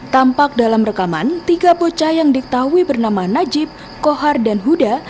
tampak dalam rekaman tiga bocah yang diketahui bernama najib kohar dan huda